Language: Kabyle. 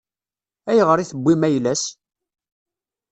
Ayɣer i tewwim ayla-s?